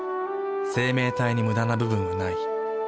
生命体にムダな部分はない。